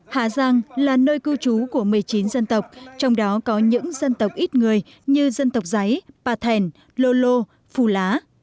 hà giang là nơi cư trú của một mươi chín dân tộc trong đó có những dân tộc ít người như dân tộc giấy pa thèn lô lô phù lá